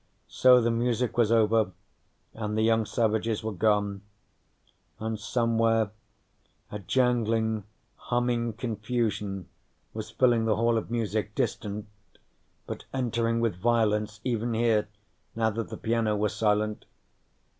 So the music was over, and the young savages were gone, and somewhere a jangling, humming confusion was filling the Hall of Music, distant, but entering with violence even here, now that the piano was silent.